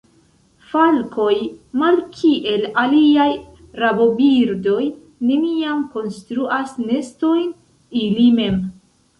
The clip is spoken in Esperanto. Falkoj malkiel aliaj rabobirdoj neniam konstruas nestojn ili mem.